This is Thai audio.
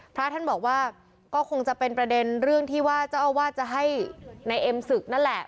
พระท่านบอกว่าก็คงจะเป็นประเด็นเรื่องที่ว่าเจ้าอาวาสจะให้นายเอ็มศึกนั่นแหละ